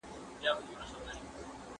زه پرون انځور وليد!.